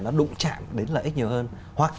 nó đụng chạm đến lợi ích nhiều hơn hoặc